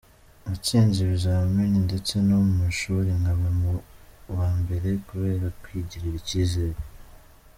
Natsinze ibizamini ndetse no mu ishuri nkaba mu ba mbere kubera kwigirira icyizere”.